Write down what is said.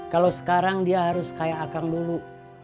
kalau sekarang dia harus kayak akang dulu